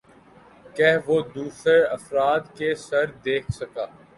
کہہ وہ دوسر افراد کے ثر دیکھ سکہ